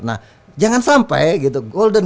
nah jangan sampai gitu golden